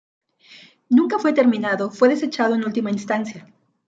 Nunca fue terminado, fue desechado en última instancia.